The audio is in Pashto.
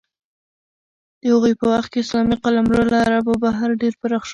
د هغوی په وخت کې اسلامي قلمرو له عربو بهر ډېر پراخ شو.